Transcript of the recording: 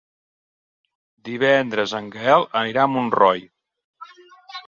Divendres en Gaël anirà a Montroi.